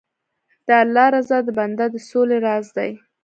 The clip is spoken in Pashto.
د الله رضا د بنده د سولې راز دی.